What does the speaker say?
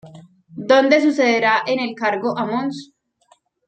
Donde sucederá en el cargo a Mons.